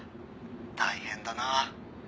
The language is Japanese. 大変だな」